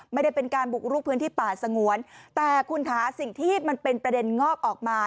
ไม่ได้เป็นการบุกลุกพื้นที่ป่าสงวนแต่คุณคะสิ่งที่มันเป็นประเด็นงอกออกมา